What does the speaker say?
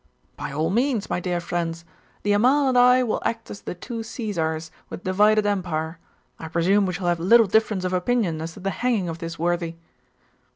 'By all means, my dear friends. The Amal and I will act as the two Caesars, with divided empire. I presume we shall have little difference of opinion as to the hanging of this worthy.